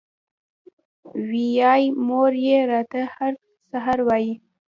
وې ئې مور مې راته هر سحر وائي ـ